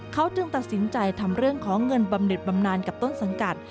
เขาจึงตัดสินใจทำเรื่องของเงินบำเน็ตบำนานกับต้นสังกัด